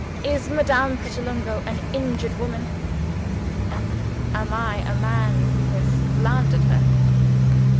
Is Madame Pratolungo an injured woman? and am I a man who has slandered her?"